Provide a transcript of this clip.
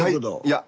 いや。